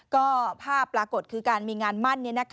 ก็ภาพปรากฏคือการมีงานมั่น